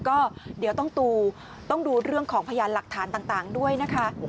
ก็เดี๋ยวต้องดูเรื่องของพยานหลักฐานต่างด้วยนะคะ